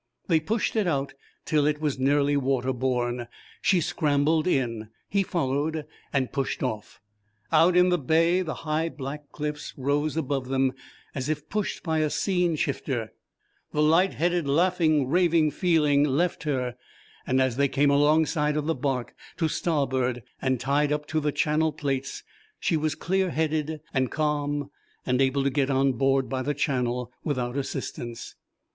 They pushed it out till it was nearly water borne; she scrambled in, he followed, and pushed off. Out in the bay the high black cliffs rose above them as if pushed by a scene shifter, the light headed laughing raving feeling left her, and as they came alongside of the barque to starboard and tied up to the channel plates she was clear headed and calm and able to get on board by the channel without assistance.